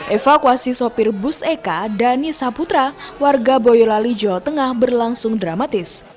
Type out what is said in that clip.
evakuasi sopir bus eka dan nisa putra warga boyolali jawa tengah berlangsung dramatis